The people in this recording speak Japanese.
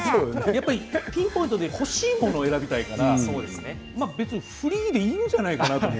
ピンポイントで欲しいものを選びたいからフリーでいいんじゃないかなと。